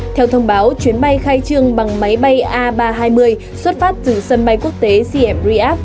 theo thông báo chuyến bay khai trương bằng máy bay a ba trăm hai mươi xuất phát từ sân bay quốc tế cm riap